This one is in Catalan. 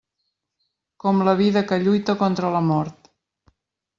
Com la vida que lluita contra la mort.